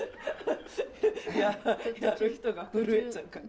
やる人が震えちゃうから。